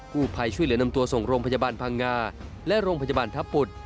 ผู้ภัยช่วยเหลือนำตัวส่งโรงพยาบาลพังงาและโรงพยาบาลทัพบุตร